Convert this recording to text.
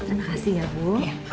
terima kasih ya bu